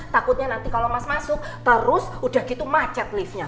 takutnya nanti kalau mas masuk terus udah gitu macet liftnya